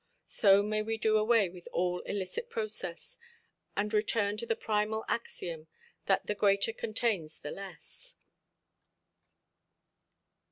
So may we do away with all illicit process, and return to the primal axiom that "the greater contains the less".